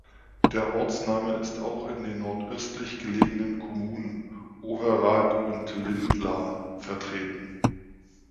Der Ortsname ist auch in den nordöstlich gelegenen Kommunen Overath und Lindlar vertreten.